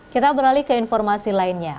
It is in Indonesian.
kita beralih ke informasi lainnya